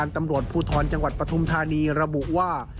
ตำรวจภูทรจังหวัดปฐุมธานีระบุว่า